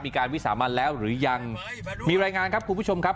มีการวิสามันแล้วหรือยังมีรายงานครับคุณผู้ชมครับ